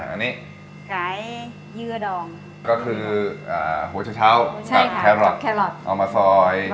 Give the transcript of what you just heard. อันนี้หลายเยื่อดองก็คืออ่าโหชเช้าใช่ค่ะแคลอร์ตเอามาซอย